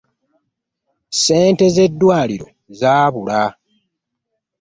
Ssente ze ddwaaliro zaabula.